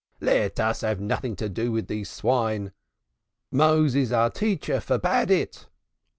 Let us have nothing to do with these swine Moses our teacher forbade it.